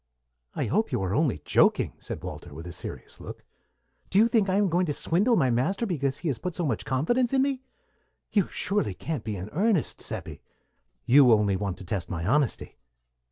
"I hope you are only joking," said Walter, with a serious look. "Do you think I am going to swindle my master because he has put so much confidence in me? You can't surely be in earnest, Seppi. You only want to test my honesty."